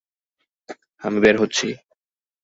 আমি বের হচ্ছি।